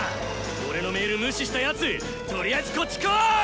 俺のメール無視したやつとりあえずこっち来ぉい！